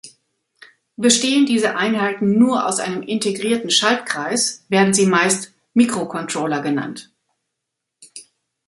Bestehen diese Einheiten nur aus einem integrierten Schaltkreis, werden sie meist "Mikrocontroller" genannt.